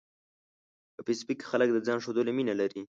په فېسبوک کې خلک د ځان ښودلو مینه لري